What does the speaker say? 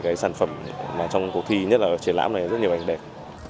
cái sản phẩm mà trong cuộc thi nhất là triển lãm này rất nhiều ảnh đẹp